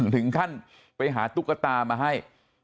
ถึงขั้นไปหาตุ๊กตามาให้